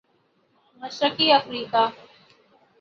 مشرقی افریقہ